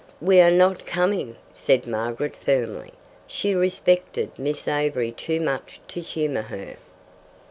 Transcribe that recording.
"We are not coming," said Margaret firmly. She respected Miss Avery too much to humour her.